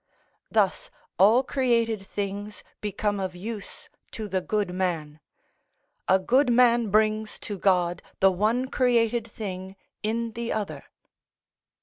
Thus, all created things become of use to the good man. A good man brings to God the one created thing in the other."